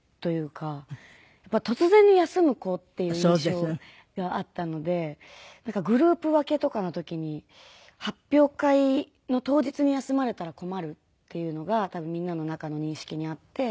突然に休む子っていう印象があったのでなんかグループ分けとかの時に発表会の当日に休まれたら困るっていうのが多分みんなの中の認識にあって。